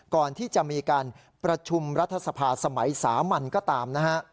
ก่อนที่จะมีการประชุมรัฐสภาสมัยสามัญก็ตามนะฮะ